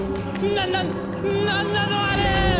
ななっ何なのあれ！